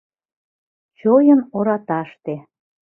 Чойн ораташте